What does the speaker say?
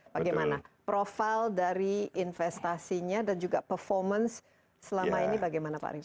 bagaimana profil dari investasinya dan juga performance selama ini bagaimana pak arief